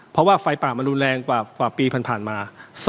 เพราะว่าไฟป่ามันรุนแรงกว่าปีที่ผ่านมา